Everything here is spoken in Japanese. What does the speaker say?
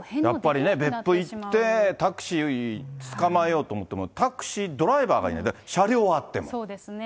やっぱり別府行って、タクシーつかまえようと思っても、タクシードライバーがいない、車そうですね。